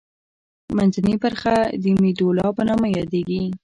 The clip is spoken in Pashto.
منځنۍ برخه د میدولا په نامه یادیږي.